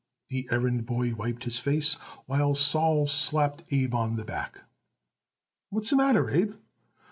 The errand boy wiped his face while Sol slapped Abe on the back. "What's the matter, Abe?"